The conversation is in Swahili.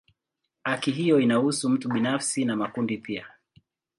Haki hiyo inahusu mtu binafsi na makundi pia.